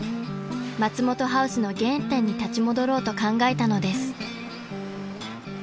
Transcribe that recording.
［松本ハウスの原点に立ち戻ろうと考えたのです］